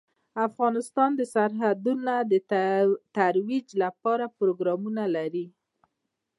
افغانستان د سرحدونه د ترویج لپاره پروګرامونه لري.